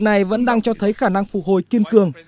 nền kinh tế này vẫn đang cho thấy khả năng phục hồi kiên cường